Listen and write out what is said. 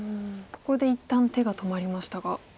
ここで一旦手が止まりましたが。